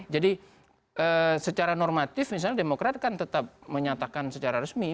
jadi secara normatif misalnya demokrat kan tetap menyatakan secara resmi